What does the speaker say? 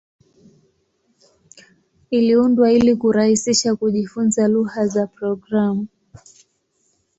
Iliundwa ili kurahisisha kujifunza lugha za programu.